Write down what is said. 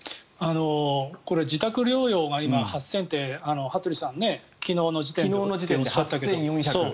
これ自宅療養が今、８０００って羽鳥さん、昨日の時点でとおっしゃったけど。